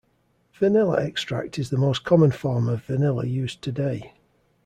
Vanilla extract is the most common form of vanilla used today.